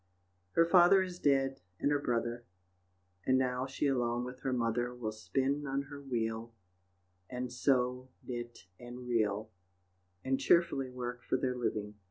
Her father is dead, and her brother And now she alone with her mother Will spin on her wheel, And sew, knit, and reel, And cheerfully work for their living.